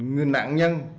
người nạn nhân